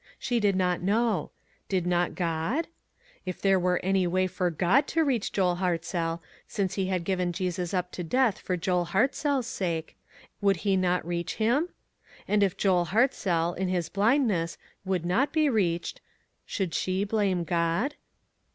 She did not know. Did not God ? If there were any way for God to reach Joel Hartzell, since he had given Jesus up to death for Joel Hartzell's sake, would he not reach him ? And if Joel Hartzell, in his blindness, would not be reached, should she blame God?